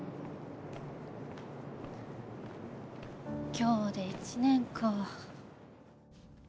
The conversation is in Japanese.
今日で１年か。